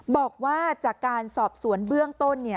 บอกว่าจากการสอบสวนเบื้องต้น